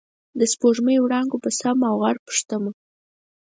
د سپوږمۍ وړانګو په سم او غر غوښتمه